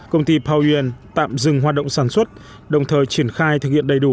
công ty pouen việt nam tạm dừng hoạt động sản xuất đồng thời triển khai thực hiện đầy đủ